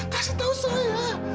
kasih tahu saya